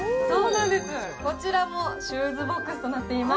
こちらもシューズボックスとなっております。